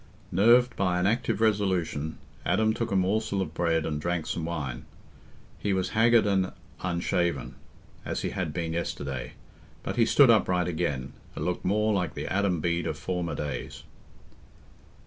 Nerved by an active resolution, Adam took a morsel of bread and drank some wine. He was haggard and unshaven, as he had been yesterday, but he stood upright again, and looked more like the Adam Bede of former days.